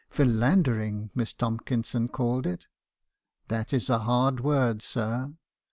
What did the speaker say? "Philandering," Miss Tomkinson called it. That is a hard word, sir.